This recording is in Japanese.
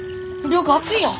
良子熱いよ！